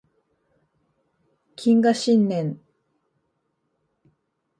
謹賀新年